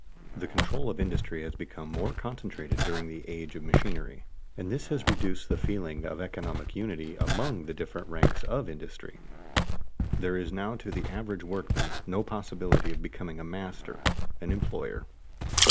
_ The control of industry has become more concentrated during the age of machinery, and this has reduced the feeling of economic unity among the different ranks of industry. There is now to the average workman no possibility of becoming a master, an employer.